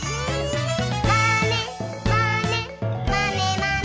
「まねまねまねまね」